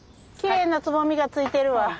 きれいなつぼみがついてるわ。